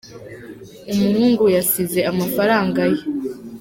Umuhungu yasize amafaranga ye.